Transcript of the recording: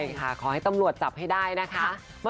ใช่ค่ะขอให้ตำรวจจับให้ได้นะคะ